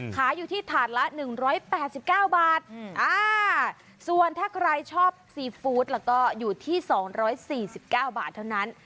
ขายอยู่ที่ถาดละ๑๘๙บาทส่วนถ้าใครชอบซีฟู้ดแล้วก็อยู่ที่๒๔๙บาทเท่านั้น